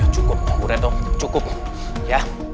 cukup bu retno cukup ya